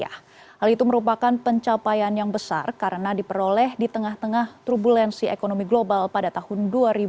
hal itu merupakan pencapaian yang besar karena diperoleh di tengah tengah turbulensi ekonomi global pada tahun dua ribu dua puluh